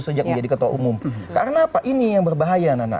sejak menjadi ketua umum karena apa ini yang berbahaya nana